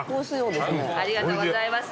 ありがとうございます。